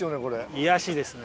癒やしですね。